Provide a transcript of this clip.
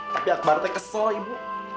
tapi akbar itu kesal ibu